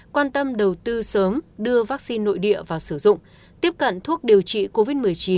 quan tâm đầu tư sớm đưa vaccine nội địa vào sử dụng tiếp cận thuốc điều trị covid một mươi chín